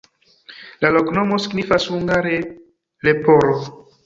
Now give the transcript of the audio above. La loknomo signifas hungare: leporo.